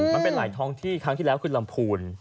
มันเป็นหลายท้องที่ครั้งที่แล้วคือลำพูน